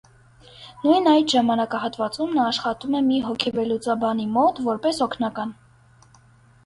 Նույն այդ ժամանակահատվածում նա աշխատում է մի հոգեվերլուծաբանի մոտ որպես օգնական։